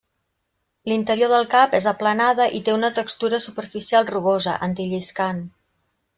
L'interior del cap és aplanada i té una textura superficial rugosa, antilliscant.